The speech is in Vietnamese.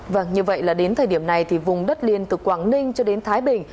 vâng như vậy là đến thời điểm này thì vùng đất liền từ quảng ninh cho đến thái bình